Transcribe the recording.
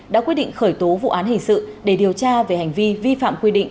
đã quyết định khởi tố vụ án hình sự để điều tra về hành vi vi phạm quy định